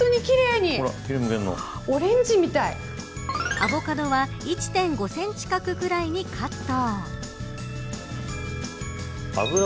アボカドは１．５センチ角くらいにカット。